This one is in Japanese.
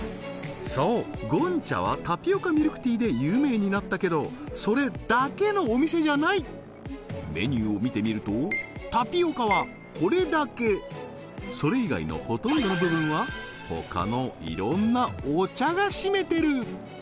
そうゴンチャはタピオカミルクティーで有名になったけどそれだけのお店じゃないメニューを見てみるとタピオカはこれだけそれ以外のほとんどの部分は他のいろんなお茶が占めてる